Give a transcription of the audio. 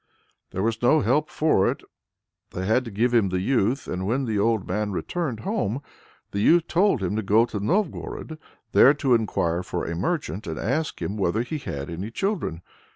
There was no help for it; they had to give him the youth. And when the old man had returned home, the youth told him to go to Novgorod, there to enquire for a merchant, and ask him whether he had any children.